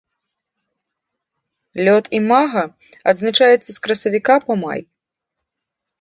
Лёт імага адзначаецца з красавіка па май.